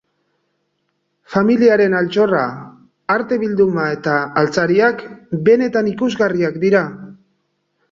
Familiaren altxorra, arte bilduma eta altzariak benetan ikusgarriak dira.